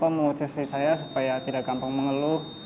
bahkan bapak menguji saya supaya tidak gampang mengeluh